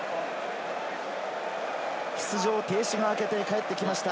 出場停止が明けて帰ってきました。